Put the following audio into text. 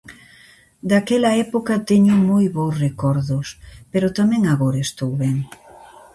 Daquela época teño moi bos recordos, pero tamén agora estou ben.